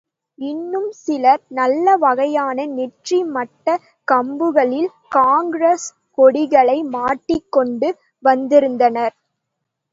இன்னும் சிலர் நல்ல வகையான நெற்றி மட்டக் கம்புகளில் காங்கிரஸ் கொடிகளை மாட்டிக் கொண்டு வந்திருந்தனர்.